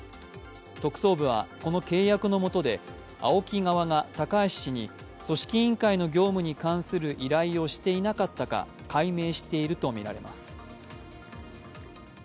特捜部はこの契約の下でＡＯＫＩ側が高橋氏に組織委員会の業務に関する依頼をしていなかったか、解明しているとみられます。